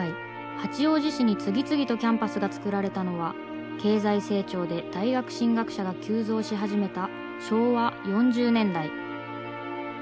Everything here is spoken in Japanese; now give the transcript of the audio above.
八王子市に次々とキャンパスが作られたのは経済成長で大学進学者が急増し始めた